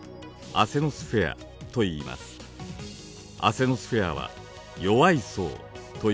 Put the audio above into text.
アセノスフェアは「弱い層」という意味です。